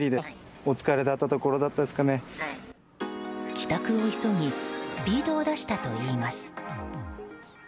帰宅を急ぎスピードを出したといいます。